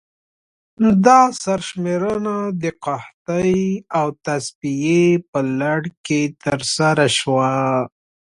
دا سرشمېرنه د قحطۍ او تصفیې په لړ کې ترسره شوه.